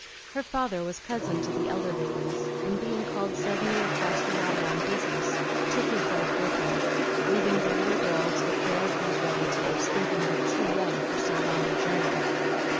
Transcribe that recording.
Her father was cousin to the elder ladies, and being called suddenly across the water on business, took his wife with him, leaving the little girl to the care of these relatives, thinking her too young for so long a journey.